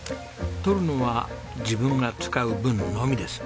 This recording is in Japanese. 採るのは自分が使う分のみです。